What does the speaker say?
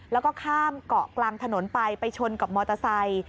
แล้วก็ข้ามเกาะกลางถนนไปไปชนกับมอเตอร์ไซค์